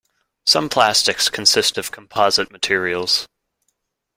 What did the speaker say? Some plastics consist of composite materials.